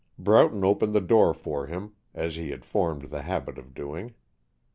Broughton opened the door for him, as he had formed the habit of doing.